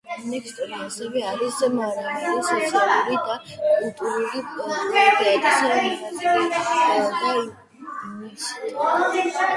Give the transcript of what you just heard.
ნოქსტონი ასევე არის მრავალი სოციალური და კულტურული პროექტის მონაწილე და ინიციატორი.